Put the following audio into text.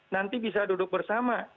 nanti bisa duduk bersama